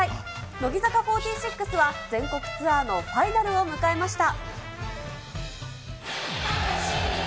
乃木坂４６は、全国ツアーのファイナルを迎えました。